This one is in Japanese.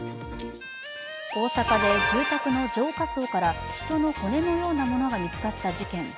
大阪で住宅の浄化槽から人の骨のようなものが見つかった事件。